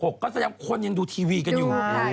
ก็สักอย่างคนยังดูทีวีกันอยู่